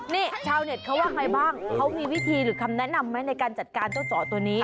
นี่ชาวเน็ตเขาว่าไงบ้างเขามีวิธีหรือคำแนะนำไหมในการจัดการเจ้าเจาะตัวนี้